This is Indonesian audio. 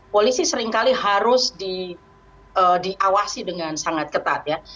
polisi seringkali harus diawasi dengan sangat ketat ya